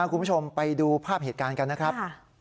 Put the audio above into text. คุณผู้ชมไปดูภาพเหตุการณ์กันนะครับ